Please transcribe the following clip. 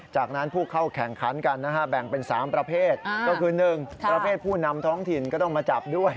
จากนั้นผู้เข้าแข่งขันกันนะฮะแบ่งเป็น๓ประเภทก็คือ๑ประเภทผู้นำท้องถิ่นก็ต้องมาจับด้วย